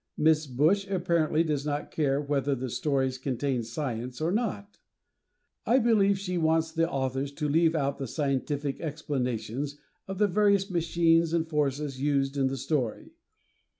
Miss Bush apparently does not care whether the stories contain science or not. I believe she wants the author to leave out the scientific explanations of the various machines and forces used in the story.